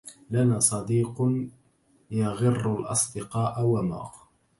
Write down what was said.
لنا صديق يغر الأصدقاء وما